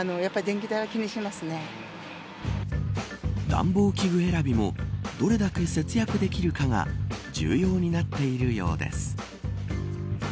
暖房器具選びもどれだけ節約できるかが重要になっているようです。